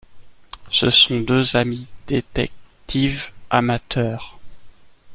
Ce sont deux amis détectives amateurs.